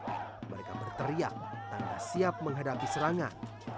mereka berteriak tanpa siap menghadapi serangan